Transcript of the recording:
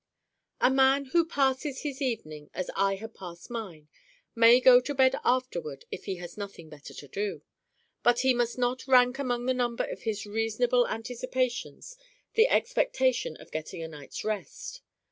A MAN who passes his evening as I had passed mine, may go to bed afterward if he has nothing better to do. But he must not rank among the number of his reasonable anticipations the expectation of getting a night's rest.